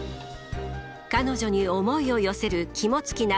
彼女に思いを寄せる肝付尚